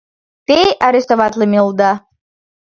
Те арестоватлыме улыда.